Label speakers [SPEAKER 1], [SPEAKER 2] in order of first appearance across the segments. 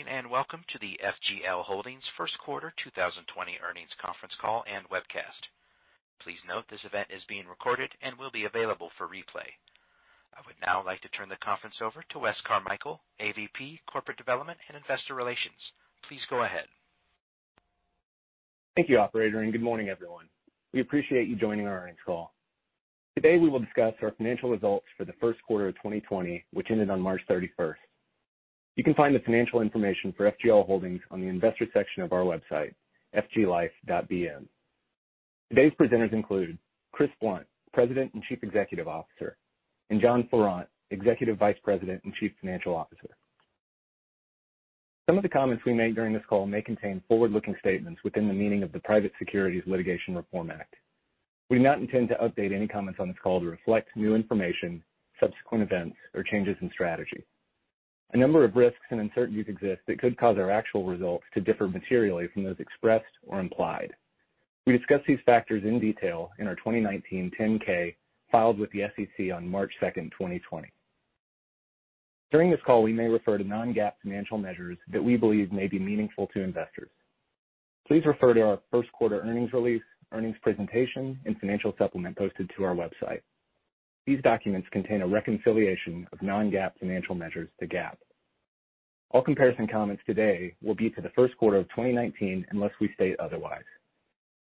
[SPEAKER 1] Good morning, and welcome to the FGL Holdings first quarter 2020 earnings conference call and webcast. Please note this event is being recorded and will be available for replay. I would now like to turn the conference over to Wes Carmichael, AVP, Corporate Development and Investor Relations. Please go ahead.
[SPEAKER 2] Thank you, operator. Good morning, everyone. We appreciate you joining our earnings call. Today we will discuss our financial results for the first quarter of 2020, which ended on March 31st. You can find the financial information for FGL Holdings on the investor section of our website, fglife.bm. Today's presenters include Chris Blunt, President and Chief Executive Officer, and John Curtius, Executive Vice President and Chief Financial Officer. Some of the comments we make during this call may contain forward-looking statements within the meaning of the Private Securities Litigation Reform Act. We do not intend to update any comments on this call to reflect new information, subsequent events, or changes in strategy. A number of risks and uncertainties exist that could cause our actual results to differ materially from those expressed or implied. We discuss these factors in detail in our 2019 10-K, filed with the SEC on March 2nd, 2020. During this call, we may refer to non-GAAP financial measures that we believe may be meaningful to investors. Please refer to our first quarter earnings release, earnings presentation, and financial supplement posted to our website. These documents contain a reconciliation of non-GAAP financial measures to GAAP. All comparison comments today will be to the first quarter of 2019, unless we state otherwise.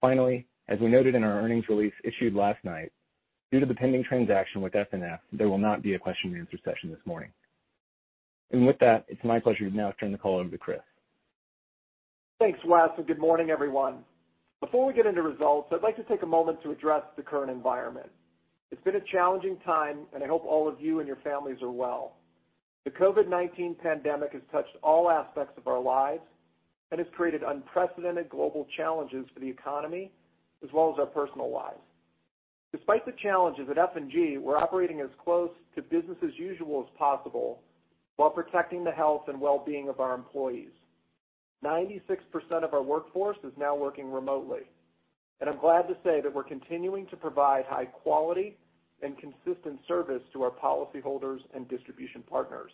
[SPEAKER 2] Finally, as we noted in our earnings release issued last night, due to the pending transaction with FNF, there will not be a question and answer session this morning. With that, it's my pleasure to now turn the call over to Chris.
[SPEAKER 3] Thanks, Wes. Good morning, everyone. Before we get into results, I'd like to take a moment to address the current environment. It's been a challenging time, and I hope all of you and your families are well. The COVID-19 pandemic has touched all aspects of our lives and has created unprecedented global challenges for the economy, as well as our personal lives. Despite the challenges, at F&G, we're operating as close to business as usual as possible while protecting the health and well-being of our employees. 96% of our workforce is now working remotely. I'm glad to say that we're continuing to provide high quality and consistent service to our policyholders and distribution partners.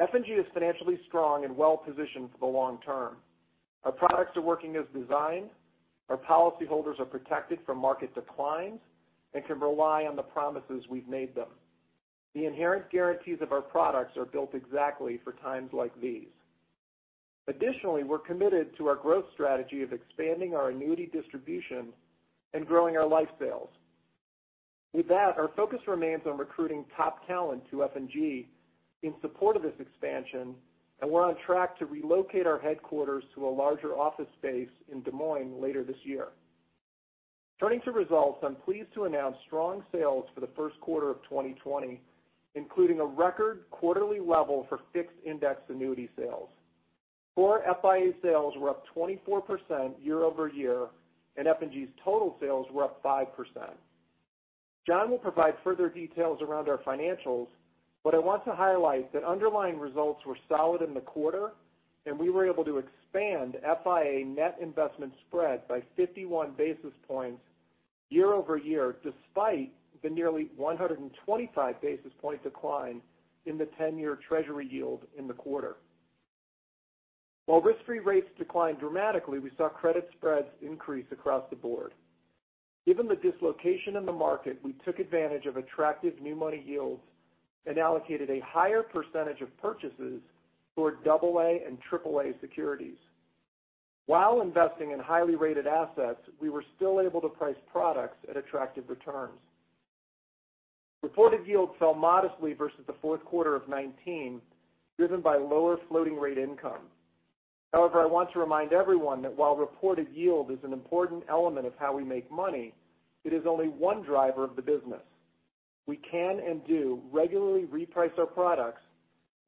[SPEAKER 3] F&G is financially strong and well-positioned for the long term. Our products are working as designed. Our policyholders are protected from market declines and can rely on the promises we've made them. The inherent guarantees of our products are built exactly for times like these. Additionally, we're committed to our growth strategy of expanding our annuity distribution and growing our life sales. With that, our focus remains on recruiting top talent to F&G in support of this expansion, and we're on track to relocate our headquarters to a larger office space in Des Moines later this year. Turning to results, I'm pleased to announce strong sales for the first quarter of 2020, including a record quarterly level for Fixed Indexed Annuity sales. Core FIA sales were up 24% year-over-year, and F&G's total sales were up 5%. John will provide further details around our financials, but I want to highlight that underlying results were solid in the quarter, and we were able to expand FIA net investment spread by 51 basis points year-over-year, despite the nearly 125 basis point decline in the 10-year Treasury yield in the quarter. While risk-free rates declined dramatically, we saw credit spreads increase across the board. Given the dislocation in the market, we took advantage of attractive new money yields and allocated a higher percentage of purchases toward AA and AAA securities. While investing in highly rated assets, we were still able to price products at attractive returns. Reported yield fell modestly versus the fourth quarter of 2019, driven by lower floating rate income. However, I want to remind everyone that while reported yield is an important element of how we make money, it is only one driver of the business. We can, and do, regularly reprice our products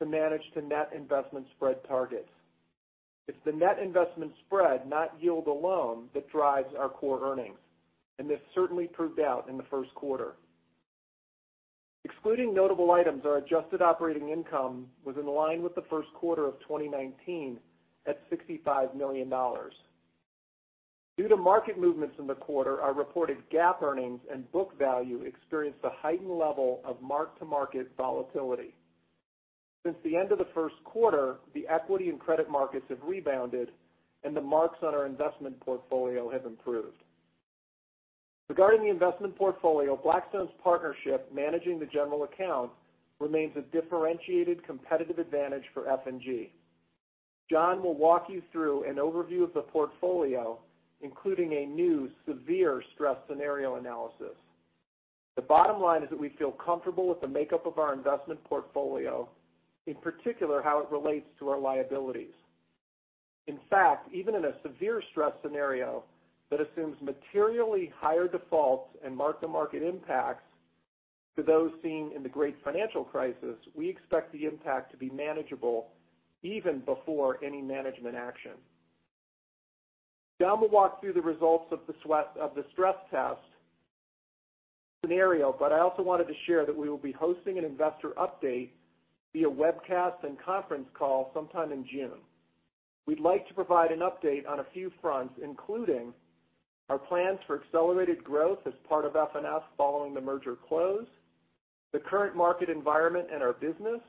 [SPEAKER 3] to manage to net investment spread targets. It's the net investment spread, not yield alone, that drives our core earnings, and this certainly proved out in the first quarter. Excluding notable items, our adjusted operating income was in line with the first quarter of 2019 at $65 million. Due to market movements in the quarter, our reported GAAP earnings and book value experienced a heightened level of mark-to-market volatility. Since the end of the first quarter, the equity and credit markets have rebounded, and the marks on our investment portfolio have improved. Regarding the investment portfolio, Blackstone's partnership managing the general account remains a differentiated competitive advantage for F&G. John will walk you through an overview of the portfolio, including a new severe stress scenario analysis. The bottom line is that we feel comfortable with the makeup of our investment portfolio, in particular how it relates to our liabilities. In fact, even in a severe stress scenario that assumes materially higher defaults and mark-to-market impacts to those seen in the great financial crisis, we expect the impact to be manageable even before any management action. John will walk through the results of the stress test scenario. I also wanted to share that we will be hosting an investor update via webcast and conference call sometime in June. We'd like to provide an update on a few fronts, including our plans for accelerated growth as part of FNF following the merger close, the current market environment and our business,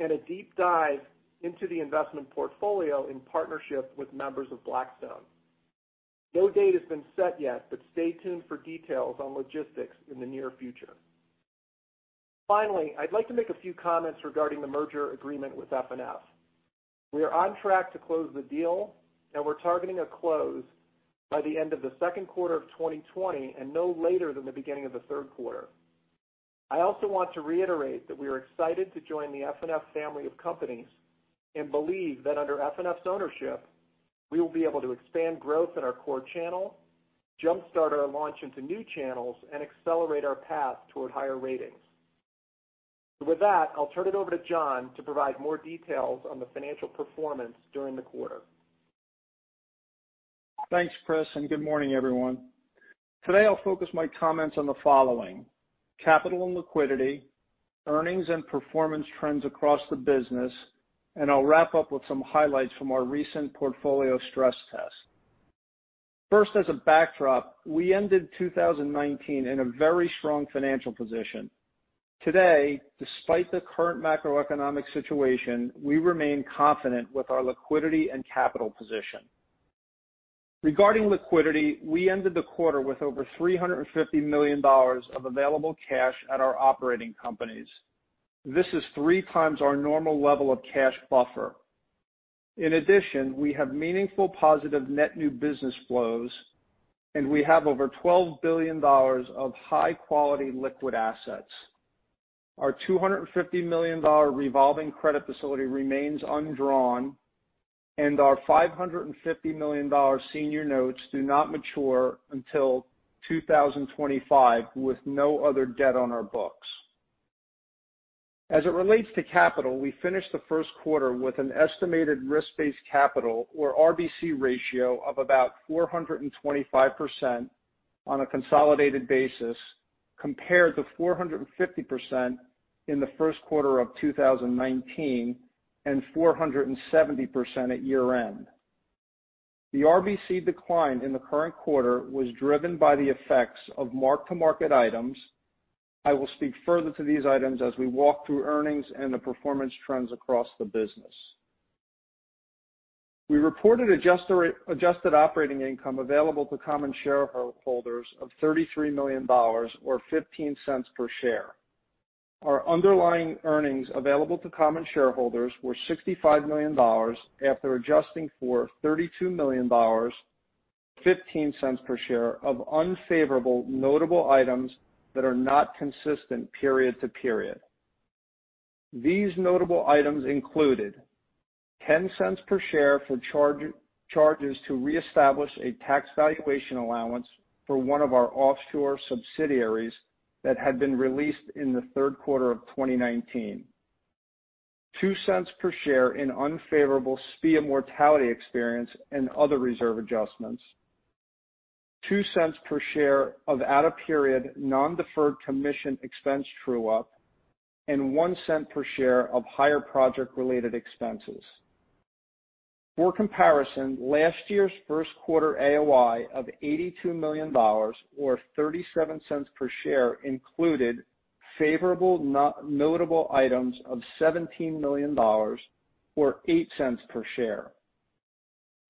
[SPEAKER 3] and a deep dive into the investment portfolio in partnership with members of Blackstone. No date has been set yet. Stay tuned for details on logistics in the near future. Finally, I'd like to make a few comments regarding the merger agreement with FNF. We are on track to close the deal. We're targeting a close by the end of the second quarter of 2020, no later than the beginning of the third quarter. I also want to reiterate that we are excited to join the FNF family of companies and believe that under FNF's ownership, we will be able to expand growth in our core channel, jumpstart our launch into new channels, and accelerate our path toward higher ratings. With that, I'll turn it over to John to provide more details on the financial performance during the quarter.
[SPEAKER 4] Thanks, Chris. Good morning, everyone. Today I'll focus my comments on the following: capital and liquidity, earnings and performance trends across the business. I'll wrap up with some highlights from our recent portfolio stress test. First, as a backdrop, we ended 2019 in a very strong financial position. Today, despite the current macroeconomic situation, we remain confident with our liquidity and capital position. Regarding liquidity, we ended the quarter with over $350 million of available cash at our operating companies. This is three times our normal level of cash buffer. In addition, we have meaningful positive net new business flows. We have over $12 billion of high-quality liquid assets. Our $250 million revolving credit facility remains undrawn. Our $550 million senior notes do not mature until 2025, with no other debt on our books. As it relates to capital, we finished the first quarter with an estimated risk-based capital, or RBC ratio of about 425% on a consolidated basis compared to 450% in the first quarter of 2019, 470% at year-end. The RBC decline in the current quarter was driven by the effects of mark-to-market items. I will speak further to these items as we walk through earnings and the performance trends across the business. We reported adjusted operating income available to common shareholders of $33 million, or $0.15 per share. Our underlying earnings available to common shareholders were $65 million after adjusting for $32 million, $0.15 per share, of unfavorable notable items that are not consistent period to period. These notable items included $0.10 per share for charges to reestablish a tax valuation allowance for one of our offshore subsidiaries that had been released in the third quarter of 2019. $0.02 per share in unfavorable SPIA mortality experience and other reserve adjustments. $0.02 per share of out-of-period non-deferred commission expense true-up, and $0.01 per share of higher project-related expenses. For comparison, last year's first quarter AOI of $82 million, or $0.37 per share, included favorable notable items of $17 million or $0.08 per share.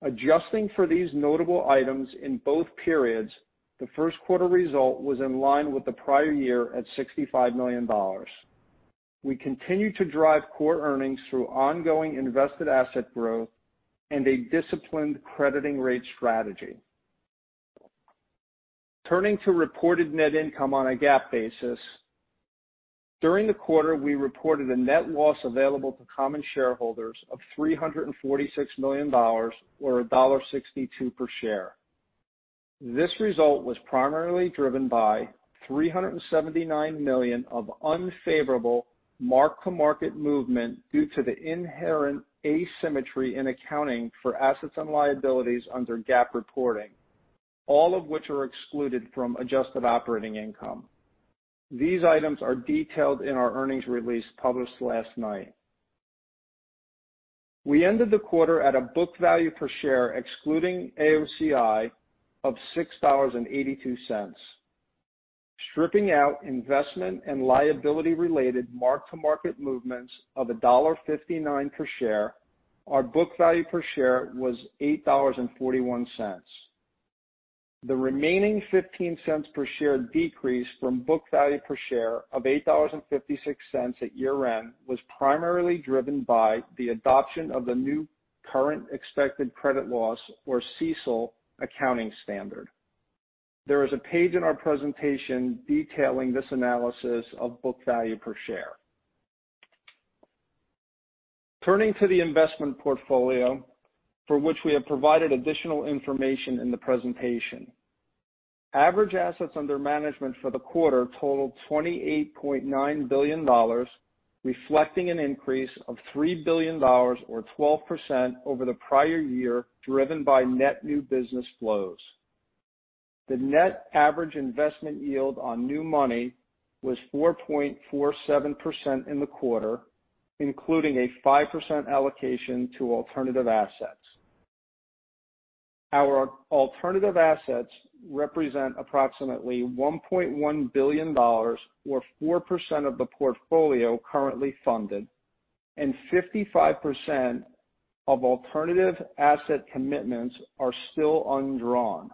[SPEAKER 4] Adjusting for these notable items in both periods, the first quarter result was in line with the prior year at $65 million. We continue to drive core earnings through ongoing invested asset growth and a disciplined crediting rate strategy. Turning to reported net income on a GAAP basis. During the quarter, we reported a net loss available to common shareholders of $346 million, or $1.62 per share. This result was primarily driven by $379 million of unfavorable mark-to-market movement due to the inherent asymmetry in accounting for assets and liabilities under GAAP reporting, all of which are excluded from adjusted operating income. These items are detailed in our earnings release published last night. We ended the quarter at a book value per share, excluding AOCI, of $6.82. Stripping out investment and liability-related mark-to-market movements of $1.59 per share, our book value per share was $8.41. The remaining $0.15 per share decrease from book value per share of $8.56 at year-end was primarily driven by the adoption of the new current expected credit loss, or CECL, accounting standard. There is a page in our presentation detailing this analysis of book value per share. Turning to the investment portfolio, for which we have provided additional information in the presentation. Average assets under management for the quarter totaled $28.9 billion, reflecting an increase of $3 billion or 12% over the prior year, driven by net new business flows. The net average investment yield on new money was 4.47% in the quarter, including a 5% allocation to alternative assets. Our alternative assets represent approximately $1.1 billion, or 4% of the portfolio currently funded, and 55% of alternative asset commitments are still undrawn.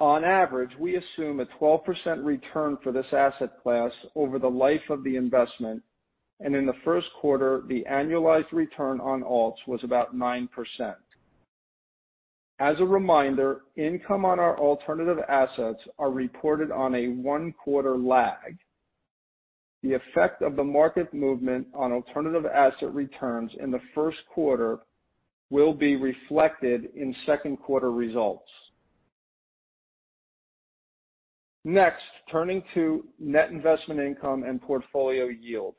[SPEAKER 4] On average, we assume a 12% return for this asset class over the life of the investment, and in the first quarter, the annualized return on alts was about 9%. As a reminder, income on our alternative assets are reported on a one-quarter lag. The effect of the market movement on alternative asset returns in the first quarter will be reflected in second quarter results. Next, turning to net investment income and portfolio yield.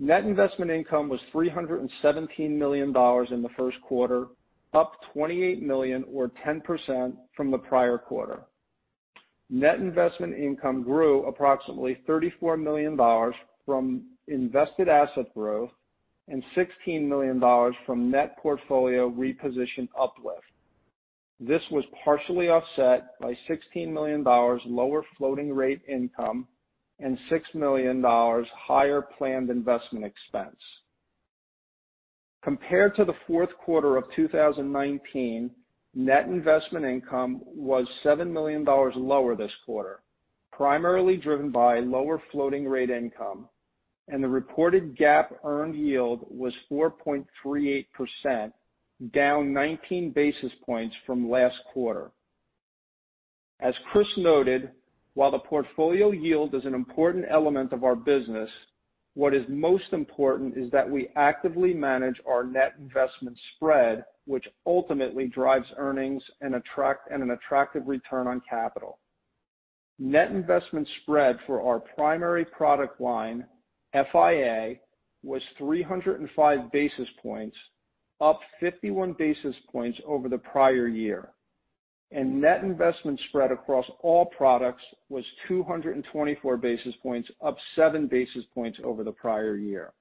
[SPEAKER 4] Net investment income was $317 million in the first quarter, up $28 million or 10% from the prior quarter. Net investment income grew approximately $34 million from invested asset growth and $16 million from net portfolio reposition uplift. This was partially offset by $16 million lower floating rate income and $6 million higher planned investment expense. Compared to the fourth quarter of 2019, net investment income was $7 million lower this quarter, primarily driven by lower floating rate income, and the reported GAAP earned yield was 4.38%, down 19 basis points from last quarter. As Chris noted, while the portfolio yield is an important element of our business, what is most important is that we actively manage our net investment spread, which ultimately drives earnings and an attractive return on capital. Net investment spread for our primary product line, FIA, was 305 basis points, up 51 basis points over the prior year, and net investment spread across all products was 224 basis points, up seven basis points over the prior year.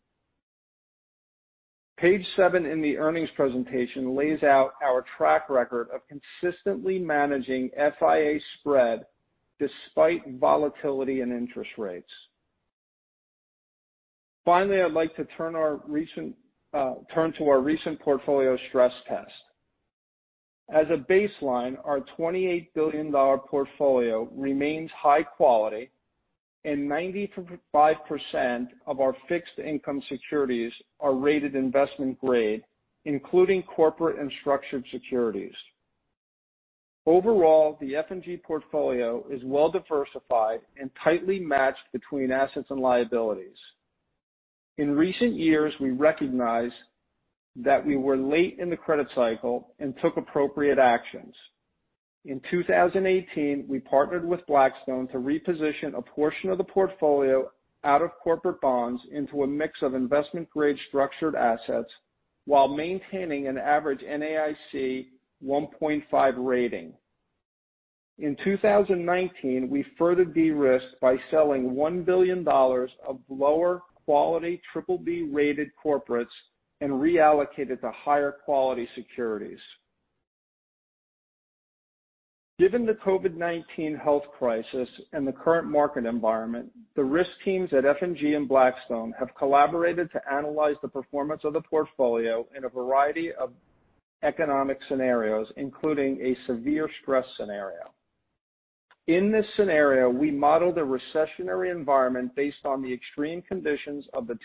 [SPEAKER 4] Page seven in the earnings presentation lays out our track record of consistently managing FIA spread despite volatility in interest rates. Finally, I'd like to turn to our recent portfolio stress test. As a baseline, our $28 billion portfolio remains high quality, and 95% of our fixed income securities are rated investment grade, including corporate and structured securities. Overall, the F&G portfolio is well diversified and tightly matched between assets and liabilities. In recent years, we recognized that we were late in the credit cycle and took appropriate actions. In 2018, we partnered with Blackstone to reposition a portion of the portfolio out of corporate bonds into a mix of investment-grade structured assets while maintaining an average NAIC 1.5 rating. In 2019, we further de-risked by selling $1 billion of lower quality triple B-rated corporates and reallocated to higher quality securities. Given the COVID-19 health crisis and the current market environment, the risk teams at F&G and Blackstone have collaborated to analyze the performance of the portfolio in a variety of economic scenarios, including a severe stress scenario. In this scenario, we modeled a recessionary environment based on the extreme conditions of the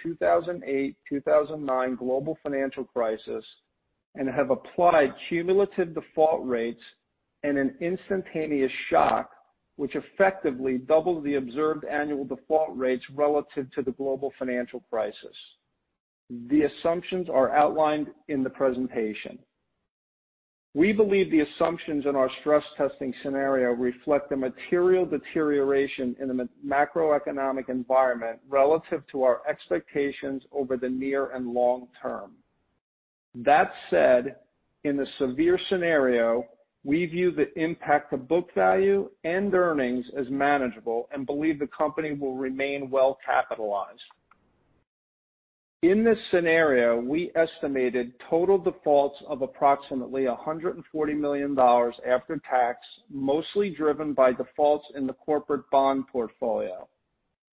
[SPEAKER 4] 2008-2009 global financial crisis, have applied cumulative default rates and an instantaneous shock, which effectively doubled the observed annual default rates relative to the global financial crisis. The assumptions are outlined in the presentation. We believe the assumptions in our stress testing scenario reflect the material deterioration in the macroeconomic environment relative to our expectations over the near and long term. That said, in the severe scenario, we view the impact to book value and earnings as manageable and believe the company will remain well capitalized. In this scenario, we estimated total defaults of approximately $140 million after tax, mostly driven by defaults in the corporate bond portfolio.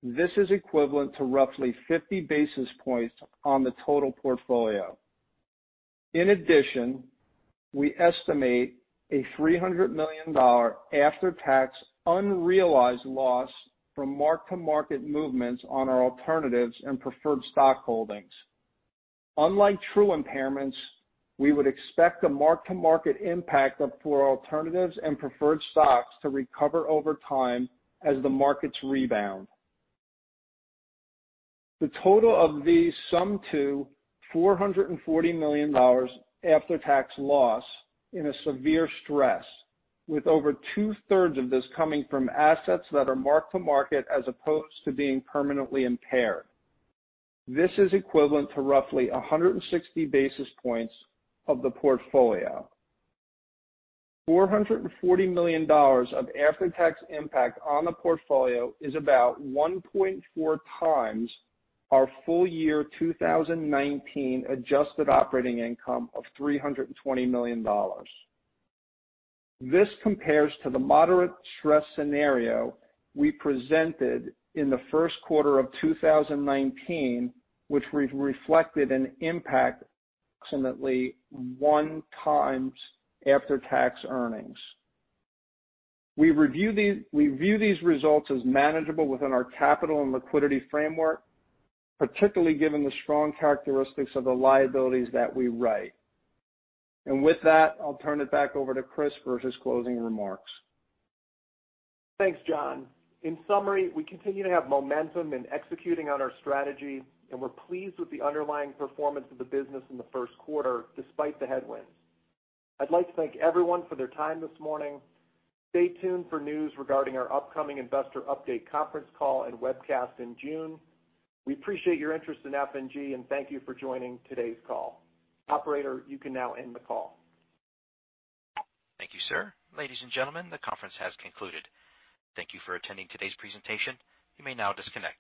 [SPEAKER 4] This is equivalent to roughly 50 basis points on the total portfolio. In addition, we estimate a $300 million after-tax unrealized loss from mark-to-market movements on our alternatives and preferred stock holdings. Unlike true impairments, we would expect the mark-to-market impact for alternatives and preferred stocks to recover over time as the markets rebound. The total of these sum to $440 million after-tax loss in a severe stress, with over two-thirds of this coming from assets that are market to market as opposed to being permanently impaired. This is equivalent to roughly 160 basis points of the portfolio. $440 million of after-tax impact on the portfolio is about 1.4 times our full year 2019 adjusted operating income of $320 million. This compares to the moderate stress scenario we presented in the first quarter of 2019, which reflected an impact approximately one times after-tax earnings. With that, I'll turn it back over to Chris for his closing remarks.
[SPEAKER 3] Thanks, John. In summary, we continue to have momentum in executing on our strategy, and we're pleased with the underlying performance of the business in the first quarter, despite the headwinds. I'd like to thank everyone for their time this morning. Stay tuned for news regarding our upcoming investor update conference call and webcast in June. We appreciate your interest in F&G, and thank you for joining today's call. Operator, you can now end the call.
[SPEAKER 1] Thank you, sir. Ladies and gentlemen, the conference has concluded. Thank you for attending today's presentation. You may now disconnect.